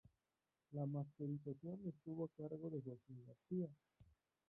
La masterización estuvo a cargo de Joaquín García.